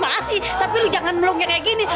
masih tapi lu jangan melungnya kayak gini